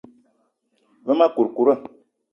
Ve ma kourkoura.